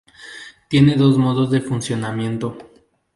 Tiene dos modos de funcionamiento.